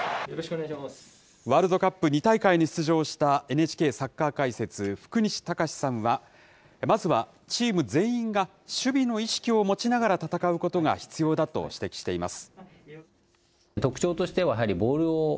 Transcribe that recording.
ワールドカップ２大会に出場した、ＮＨＫサッカー解説、福西崇史さんは、まずはチーム全員が守備の意識を持ちながら戦うことが必要だと指摘しています。